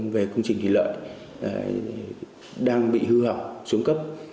về công trình thủy lợi đang bị hư hỏng xuống cấp